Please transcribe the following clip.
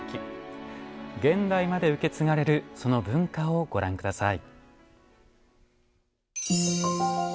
現代まで受け継がれるその文化をご覧下さい。